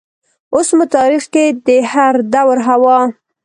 اوس مو تاریخ کې د هردور حوا